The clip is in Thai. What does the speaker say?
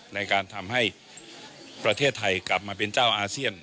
ในการทำให้ประเทศไทยกลับมาเป็นเจ้าอาเซียน